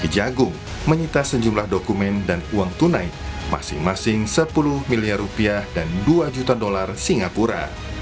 kejagung menyita sejumlah dokumen dan uang tunai masing masing sepuluh miliar rupiah dan dua juta dolar singapura